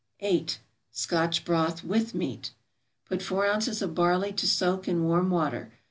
8. =Scotch Broth with Meat.= Put four ounces of barley to soak in warm water.